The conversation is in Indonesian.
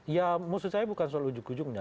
ya maksud saya bukan soal ujug ujugnya